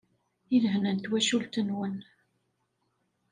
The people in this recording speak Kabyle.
I lehna n twacult-nwen.